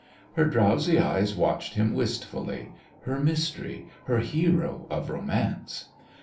Her drowsy eyes watched him wistfully her mystery, her hero of romance.